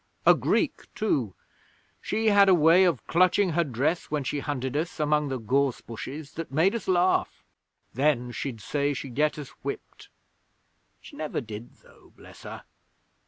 A Greek, too. She had a way of clutching her dress when she hunted us among the gorse bushes that made us laugh. Then she'd say she'd get us whipped. She never did, though, bless her!